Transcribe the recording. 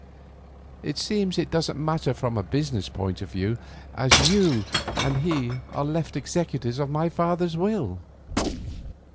It seems it doesn't matter from a business point of view, as you and he are left executors of my father's will.